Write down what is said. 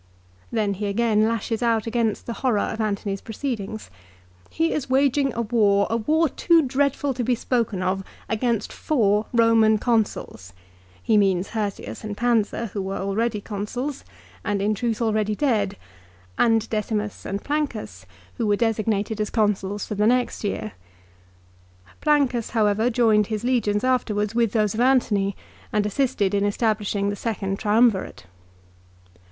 ' Then he again lashes out against the horror of Antony's proceedings. " He is waging war, a war too dreadful to be spoken of, against four Roman Consuls," he means Hirtius and Pansa who were already Consuls, and in truth already dead, and Decimus and Plancus who were designated as Consuls for the next year. Plaucus, however, joined his legions after wards with those of Antony and assisted in establishing the second Triumvirate.